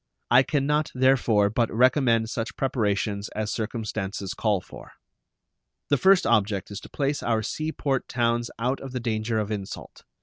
I can not, therefore, but recommend such preparations as circumstances call for. The first object is to place our sea port towns out of the danger of insult.